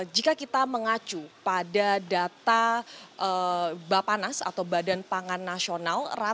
jika kita mengacu pada data bapanas atau badan pangan nasional